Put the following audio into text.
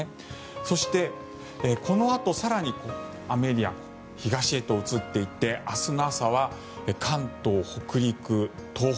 そして、このあと更に雨エリア、東へと移っていって明日の朝は関東、北陸、東北